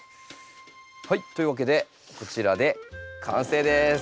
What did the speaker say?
はいというわけでこちらで完成です。